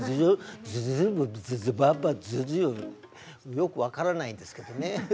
よく分からないんですけどね。